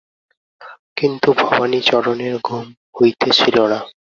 কিন্তু ভবানীচরণের ঘুম হইতেছিল না।